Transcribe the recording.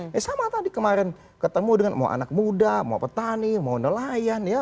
ya sama tadi kemarin ketemu dengan mau anak muda mau petani mau nelayan ya